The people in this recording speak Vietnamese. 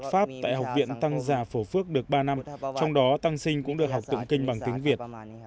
pháp tại học viện tăng già phổ phước được ba năm trong đó tăng sinh cũng được học tụng kinh bằng tiếng việt